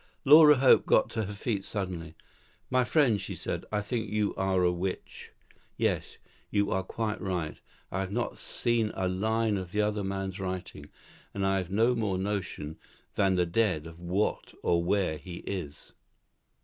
Laura Hope got to her feet suddenly. "My friend," she said, "I think you are a witch. Yes, you are quite right. I have not seen a line of the other man's writing; and I have no more notion than the dead of what or where he is.